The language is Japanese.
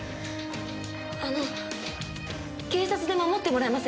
あの警察で守ってもらえませんか？